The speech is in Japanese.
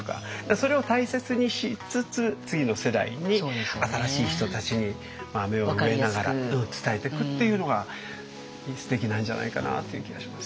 それを大切にしつつ次の世代に新しい人たちに芽を植えながら伝えてくっていうのがすてきなんじゃないかなっていう気がします。